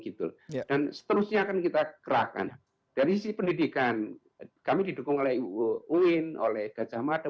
gitu dan seterusnya akan kita kerahkan dari sisi pendidikan kami didukung oleh uin oleh gajah mada